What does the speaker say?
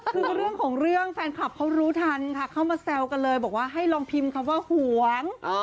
คือเรื่องของเรื่องแฟนคลับเขารู้ทันค่ะเข้ามาแซวกันเลยบอกว่าให้ลองพิมพ์คำว่าห่วง